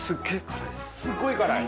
すっごい辛い？